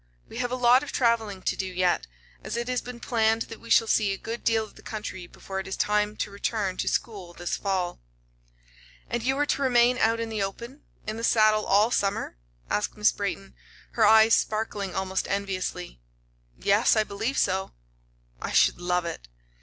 We have a lot of traveling to do yet, as it has been planned that we shall see a good deal of the country before it is time to return to school this fall." "And you are to remain out in the open in the saddle all summer?" asked Miss Brayton, her eyes sparkling almost enviously. "Yes; I believe so." "I should love it."